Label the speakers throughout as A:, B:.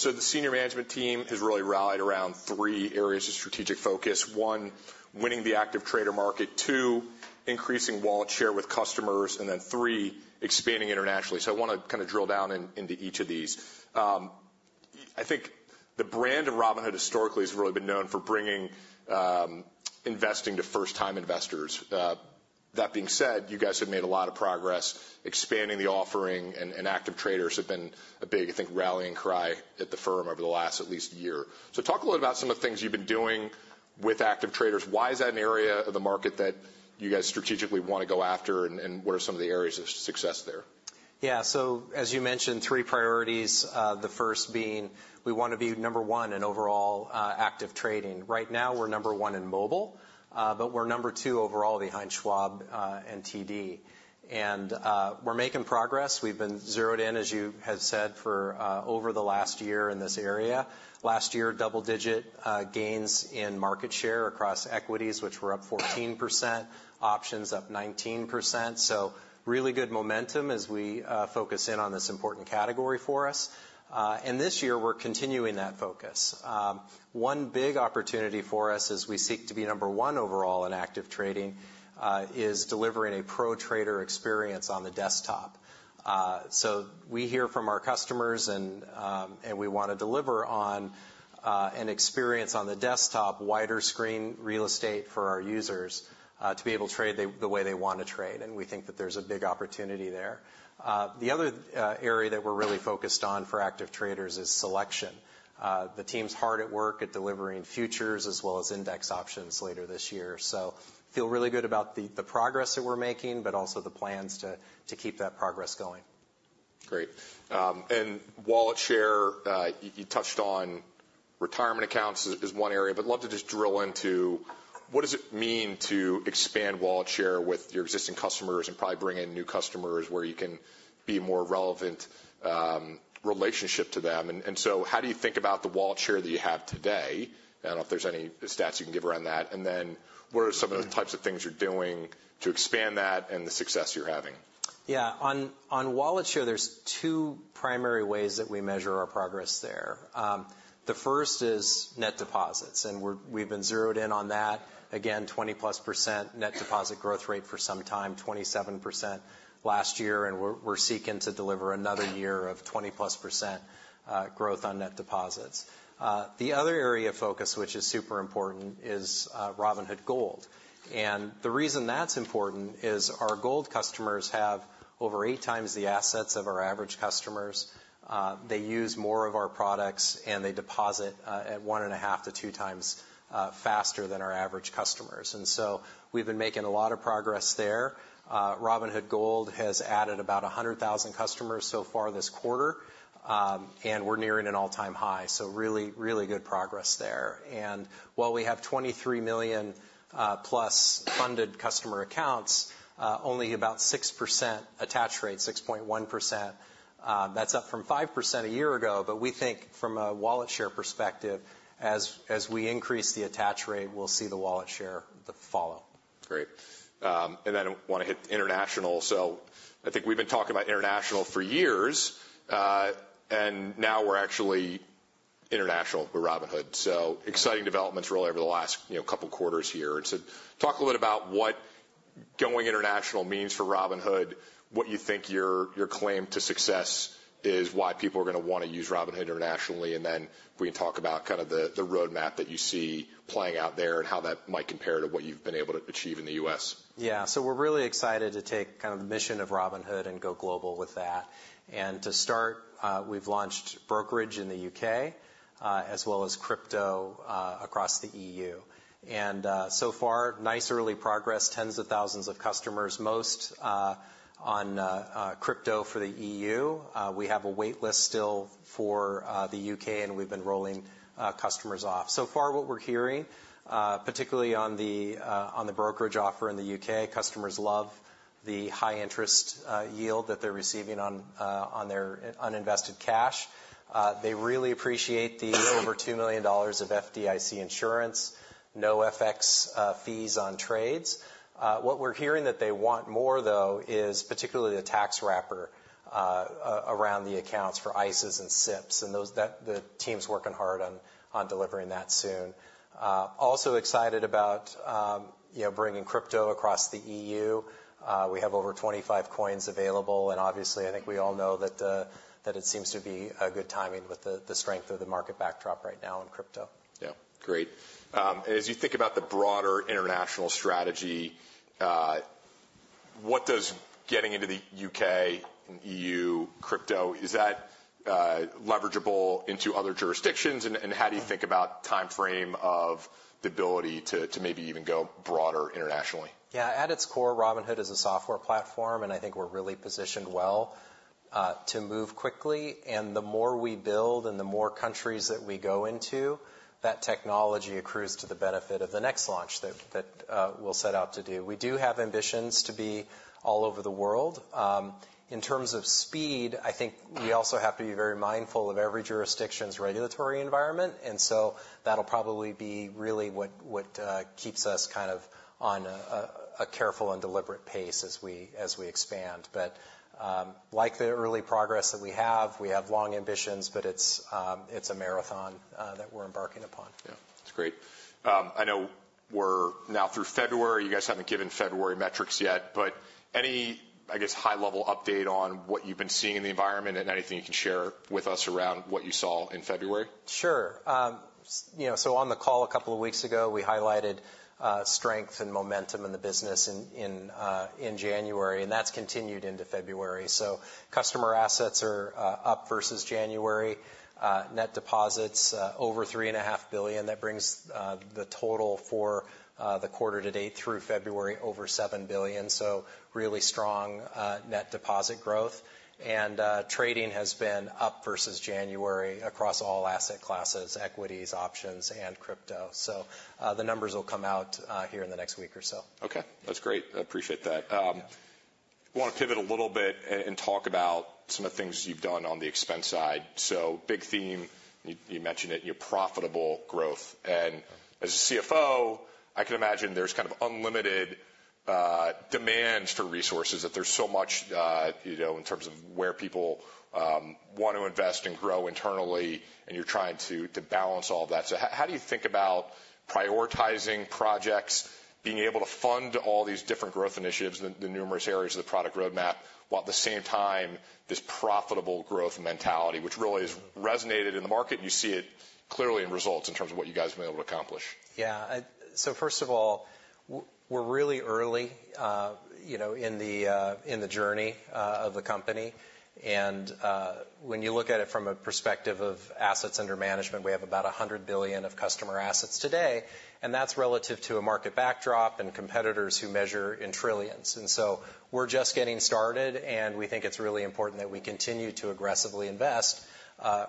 A: So the senior management team has really rallied around three areas of strategic focus: one, winning the active trader market; two, increasing wallet share with customers; and then three, expanding internationally. So I want to kind of drill down into each of these. I think the brand of Robinhood historically has really been known for bringing investing to first-time investors. That being said, you guys have made a lot of progress. Expanding the offering and active traders have been a big, I think, rallying cry at the firm over the last at least year. So talk a little bit about some of the things you've been doing with active traders. Why is that an area of the market that you guys strategically want to go after, and what are some of the areas of success there?
B: Yeah. So as you mentioned, three priorities. The first being, we want to be number one in overall active trading. Right now we're number one in mobile, but we're number two overall behind Schwab and TD. And we're making progress. We've been zeroed in, as you have said, for over the last year in this area. Last year, double-digit gains in market share across equities, which were up 14%. Options up 19%. So really good momentum as we focus in on this important category for us. And this year we're continuing that focus. One big opportunity for us as we seek to be number one overall in active trading is delivering a pro-trader experience on the desktop. So we hear from our customers, and we want to deliver on an experience on the desktop, wider-screen real estate for our users to be able to trade the way they want to trade. And we think that there's a big opportunity there. The other area that we're really focused on for active traders is selection. The team's hard at work at delivering futures as well as index options later this year. So feel really good about the progress that we're making, but also the plans to keep that progress going.
A: Great. Wallet share, you touched on retirement accounts as one area, but I'd love to just drill into what does it mean to expand wallet share with your existing customers and probably bring in new customers where you can be a more relevant relationship to them. So how do you think about the wallet share that you have today? I don't know if there's any stats you can give around that. Then what are some of the types of things you're doing to expand that and the success you're having?
B: Yeah. On wallet share, there are 2 primary ways that we measure our progress there. The first is net deposits. We've been zeroed in on that. Again, 20+% net deposit growth rate for some time, 27% last year. We're seeking to deliver another year of 20+% growth on net deposits. The other area of focus, which is super important, is Robinhood Gold. The reason that's important is our Gold customers have over 8 times the assets of our average customers. They use more of our products, and they deposit at 1.5-2 times faster than our average customers. So we've been making a lot of progress there. Robinhood Gold has added about 100,000 customers so far this quarter, and we're nearing an all-time high. Really, really good progress there. While we have 23 million-plus funded customer accounts, only about 6% attach rate, 6.1%. That's up from 5% a year ago. But we think from a wallet share perspective, as we increase the attach rate, we'll see the wallet share follow.
A: Great. And then I want to hit international. So I think we've been talking about international for years, and now we're actually international with Robinhood. So exciting developments really over the last couple of quarters here. And so talk a little bit about what going international means for Robinhood, what you think your claim to success is, why people are going to want to use Robinhood internationally. And then we can talk about kind of the roadmap that you see playing out there and how that might compare to what you've been able to achieve in the U.S.
B: Yeah. So we're really excited to take kind of the mission of Robinhood and go global with that. To start, we've launched brokerage in the U.K. as well as crypto across the E.U. And so far, nice early progress, tens of thousands of customers, most on crypto for the E.U. We have a waitlist still for the U.K., and we've been rolling customers off. So far, what we're hearing, particularly on the brokerage offer in the U.K., customers love the high-interest yield that they're receiving on their uninvested cash. They really appreciate the over $2 million of FDIC insurance, no FX fees on trades. What we're hearing that they want more, though, is particularly the tax wrapper around the accounts for ISAs and SIPPs. And the team's working hard on delivering that soon. Also excited about bringing crypto across the E.U. We have over 25 coins available. Obviously, I think we all know that it seems to be a good timing with the strength of the market backdrop right now in crypto.
A: Yeah. Great. As you think about the broader international strategy, what does getting into the U.K. and E.U. crypto is that leverageable into other jurisdictions? How do you think about the time frame of the ability to maybe even go broader internationally?
B: Yeah. At its core, Robinhood is a software platform, and I think we're really positioned well to move quickly. The more we build and the more countries that we go into, that technology accrues to the benefit of the next launch that we'll set out to do. We do have ambitions to be all over the world. In terms of speed, I think we also have to be very mindful of every jurisdiction's regulatory environment. So that'll probably be really what keeps us kind of on a careful and deliberate pace as we expand. But like the early progress that we have, we have long ambitions, but it's a marathon that we're embarking upon.
A: Yeah. That's great. I know we're now through February. You guys haven't given February metrics yet, but any, I guess, high-level update on what you've been seeing in the environment and anything you can share with us around what you saw in February?
B: Sure. So on the call a couple of weeks ago, we highlighted strength and momentum in the business in January, and that's continued into February. So customer assets are up versus January. Net deposits, over $3.5 billion. That brings the total for the quarter to date through February over $7 billion. So really strong net deposit growth. And trading has been up versus January across all asset classes, equities, options, and crypto. So the numbers will come out here in the next week or so.
A: Okay. That's great. I appreciate that. I want to pivot a little bit and talk about some of the things you've done on the expense side. So big theme, you mentioned it, profitable growth. And as a CFO, I can imagine there's kind of unlimited demands for resources, that there's so much in terms of where people want to invest and grow internally, and you're trying to balance all of that. So how do you think about prioritizing projects, being able to fund all these different growth initiatives, the numerous areas of the product roadmap, while at the same time this profitable growth mentality, which really has resonated in the market, and you see it clearly in results in terms of what you guys have been able to accomplish?
B: Yeah. So first of all, we're really early in the journey of the company. And when you look at it from a perspective of assets under management, we have about $100 billion of customer assets today. And that's relative to a market backdrop and competitors who measure in trillions. And so we're just getting started, and we think it's really important that we continue to aggressively invest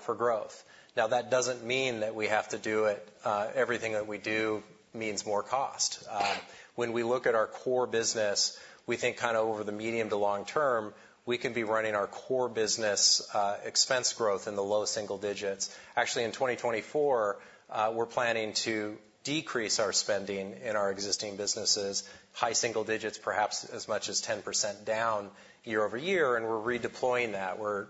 B: for growth. Now, that doesn't mean that we have to do it everything that we do means more cost. When we look at our core business, we think kind of over the medium to long term, we can be running our core business expense growth in the low single digits. Actually, in 2024, we're planning to decrease our spending in our existing businesses, high single digits, perhaps as much as 10% down year-over-year. And we're redeploying that. We're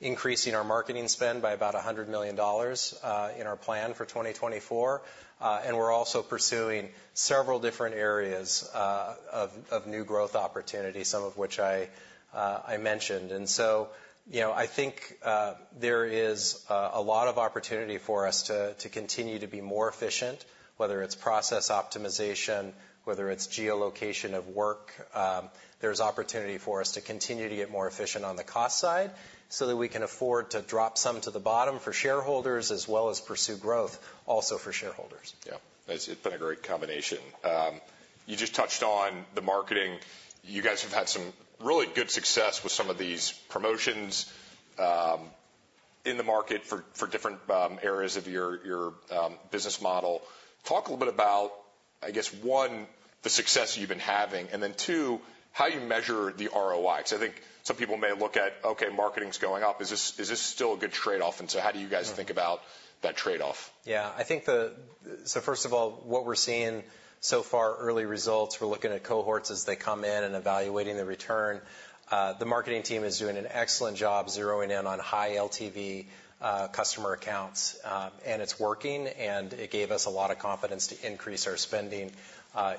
B: increasing our marketing spend by about $100 million in our plan for 2024. We're also pursuing several different areas of new growth opportunity, some of which I mentioned. So I think there is a lot of opportunity for us to continue to be more efficient, whether it's process optimization, whether it's geolocation of work. There's opportunity for us to continue to get more efficient on the cost side so that we can afford to drop some to the bottom for shareholders as well as pursue growth also for shareholders.
A: Yeah. It's been a great combination. You just touched on the marketing. You guys have had some really good success with some of these promotions in the market for different areas of your business model. Talk a little bit about, I guess, one, the success you've been having, and then two, how you measure the ROI. Because I think some people may look at, "Okay, marketing's going up. Is this still a good trade-off?" And so how do you guys think about that trade-off?
B: Yeah. So first of all, what we're seeing so far, early results, we're looking at cohorts as they come in and evaluating the return. The marketing team is doing an excellent job zeroing in on high LTV customer accounts. And it's working, and it gave us a lot of confidence to increase our spending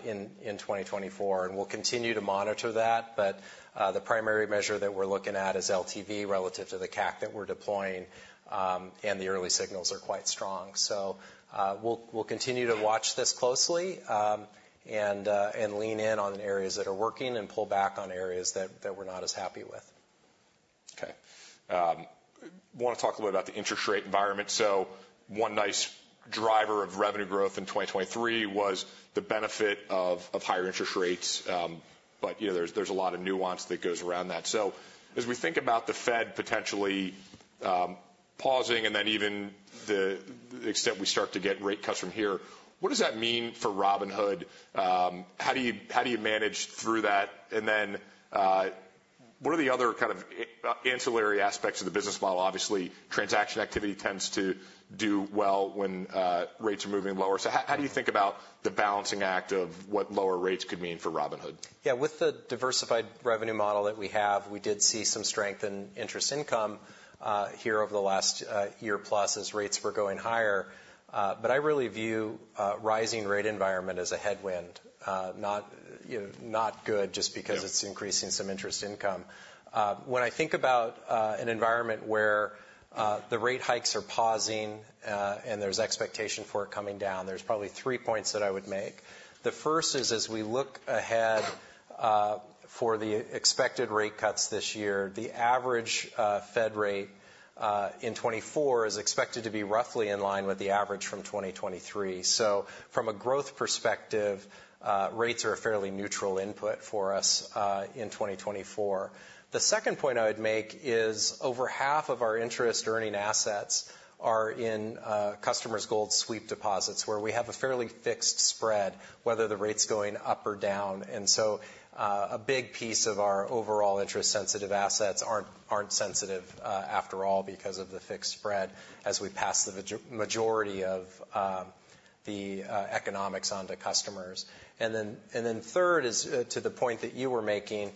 B: in 2024. And we'll continue to monitor that. But the primary measure that we're looking at is LTV relative to the CAC that we're deploying, and the early signals are quite strong. So we'll continue to watch this closely and lean in on areas that are working and pull back on areas that we're not as happy with.
A: Okay. I want to talk a little bit about the interest rate environment. So one nice driver of revenue growth in 2023 was the benefit of higher interest rates, but there's a lot of nuance that goes around that. So as we think about the Fed potentially pausing and then even the extent we start to get rate cuts from here, what does that mean for Robinhood? How do you manage through that? And then what are the other kind of ancillary aspects of the business model? Obviously, transaction activity tends to do well when rates are moving lower. So how do you think about the balancing act of what lower rates could mean for Robinhood?
B: Yeah. With the diversified revenue model that we have, we did see some strength in interest income here over the last year-plus as rates were going higher. But I really view a rising rate environment as a headwind, not good just because it's increasing some interest income. When I think about an environment where the rate hikes are pausing and there's expectation for it coming down, there's probably three points that I would make. The first is as we look ahead for the expected rate cuts this year, the average Fed rate in 2024 is expected to be roughly in line with the average from 2023. So from a growth perspective, rates are a fairly neutral input for us in 2024. The second point I would make is over half of our interest-earning assets are in customers' Gold sweep deposits where we have a fairly fixed spread, whether the rate's going up or down. And so a big piece of our overall interest-sensitive assets aren't sensitive after all because of the fixed spread as we pass the majority of the economics onto customers. And then third, to the point that you were making,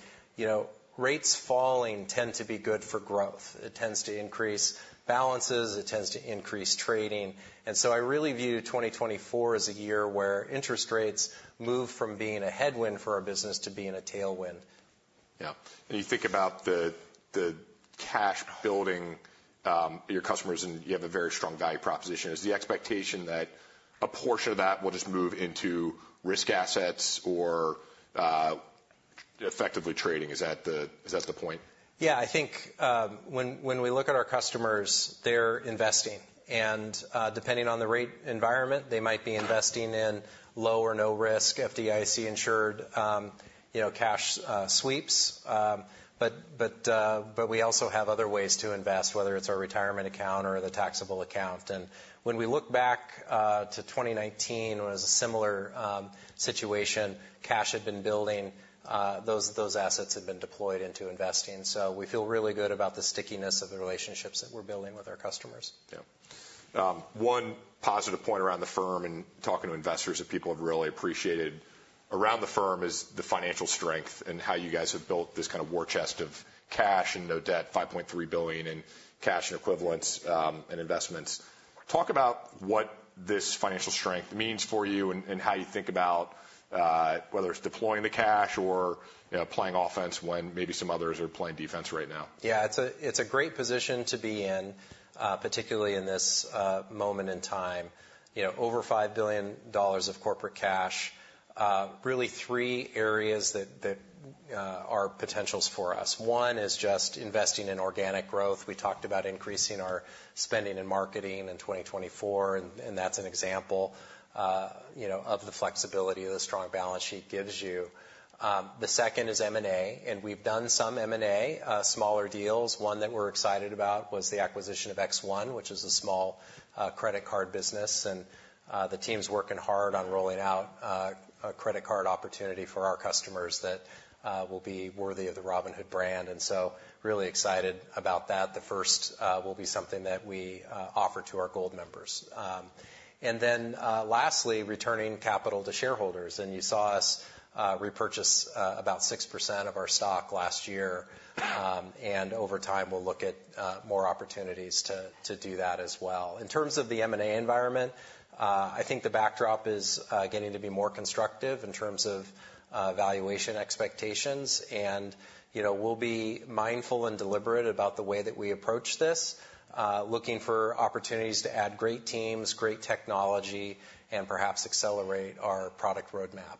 B: rates falling tend to be good for growth. It tends to increase balances. It tends to increase trading. And so I really view 2024 as a year where interest rates move from being a headwind for our business to being a tailwind.
A: Yeah. You think about the cash building your customers, and you have a very strong value proposition. Is the expectation that a portion of that will just move into risk assets or effectively trading? Is that the point?
B: Yeah. I think when we look at our customers, they're investing. Depending on the rate environment, they might be investing in low or no-risk FDIC-insured cash sweeps. We also have other ways to invest, whether it's our retirement account or the taxable account. When we look back to 2019, it was a similar situation. Cash had been building. Those assets had been deployed into investing. We feel really good about the stickiness of the relationships that we're building with our customers.
A: Yeah. One positive point around the firm and talking to investors that people have really appreciated around the firm is the financial strength and how you guys have built this kind of war chest of cash and no debt, $5.3 billion in cash and equivalents and investments. Talk about what this financial strength means for you and how you think about whether it's deploying the cash or playing offense when maybe some others are playing defense right now?
B: Yeah. It's a great position to be in, particularly in this moment in time. Over $5 billion of corporate cash, really three areas that are potentials for us. One is just investing in organic growth. We talked about increasing our spending in marketing in 2024, and that's an example of the flexibility the strong balance sheet gives you. The second is M&A. We've done some M&A, smaller deals. One that we're excited about was the acquisition of X1, which is a small credit card business. The team's working hard on rolling out a credit card opportunity for our customers that will be worthy of the Robinhood brand. So really excited about that. The first will be something that we offer to our gold members. Then lastly, returning capital to shareholders. You saw us repurchase about 6% of our stock last year. Over time, we'll look at more opportunities to do that as well. In terms of the M&A environment, I think the backdrop is getting to be more constructive in terms of valuation expectations. We'll be mindful and deliberate about the way that we approach this, looking for opportunities to add great teams, great technology, and perhaps accelerate our product roadmap.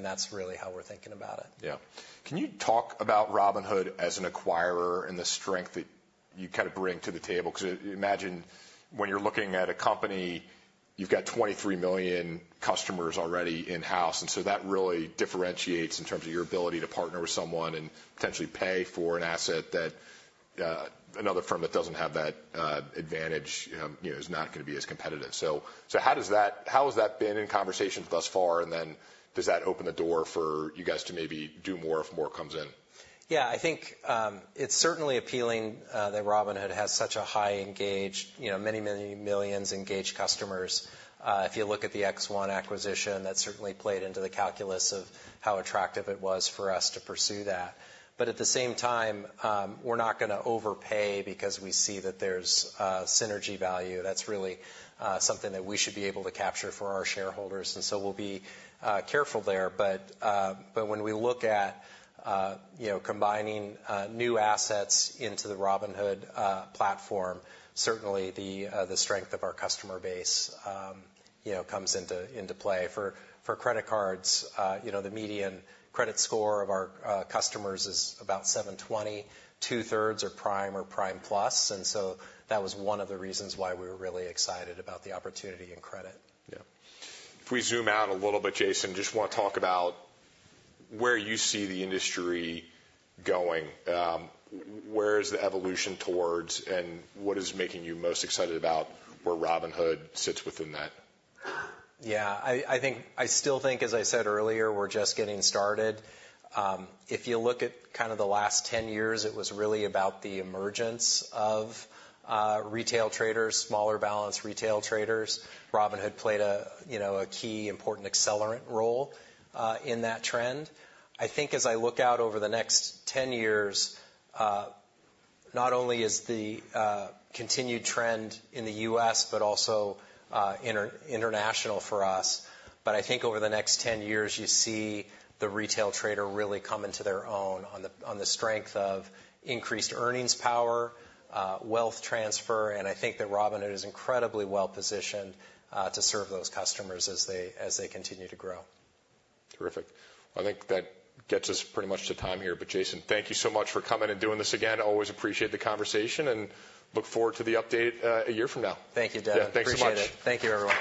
B: That's really how we're thinking about it.
A: Yeah. Can you talk about Robinhood as an acquirer and the strength that you kind of bring to the table? Because imagine when you're looking at a company, you've got 23 million customers already in-house. And so that really differentiates in terms of your ability to partner with someone and potentially pay for an asset that another firm that doesn't have that advantage is not going to be as competitive. So how has that been in conversations thus far? And then does that open the door for you guys to maybe do more if more comes in?
B: Yeah. I think it's certainly appealing that Robinhood has such a high engaged, many, many millions engaged customers. If you look at the X1 acquisition, that certainly played into the calculus of how attractive it was for us to pursue that. But at the same time, we're not going to overpay because we see that there's synergy value. That's really something that we should be able to capture for our shareholders. And so we'll be careful there. But when we look at combining new assets into the Robinhood platform, certainly the strength of our customer base comes into play. For credit cards, the median credit score of our customers is about 720. Two-thirds are prime or prime-plus. And so that was one of the reasons why we were really excited about the opportunity in credit.
A: Yeah. If we zoom out a little bit, Jason, just want to talk about where you see the industry going. Where is the evolution towards, and what is making you most excited about where Robinhood sits within that?
B: Yeah. I still think, as I said earlier, we're just getting started. If you look at kind of the last 10 years, it was really about the emergence of retail traders, smaller balance retail traders. Robinhood played a key, important accelerant role in that trend. I think as I look out over the next 10 years, not only is the continued trend in the U.S. but also international for us, but I think over the next 10 years, you see the retail trader really come into their own on the strength of increased earnings power, wealth transfer. And I think that Robinhood is incredibly well-positioned to serve those customers as they continue to grow.
A: Terrific. Well, I think that gets us pretty much to time here. But Jason, thank you so much for coming and doing this again. Always appreciate the conversation and look forward to the update a year from now.
B: Thank you, Devin.
A: Yeah. Thanks so much.
B: Appreciate it. Thank you, everyone.